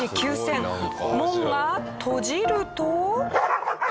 門が閉じると。